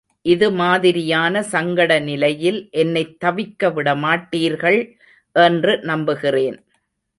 இது மாதிரியான சங்கட நிலையில் என்னைத் தவிக்க விடமாட்டீர்கள் என்று நம்புகிறேன்.